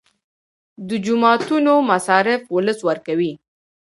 د جوماتونو مصارف ولس ورکوي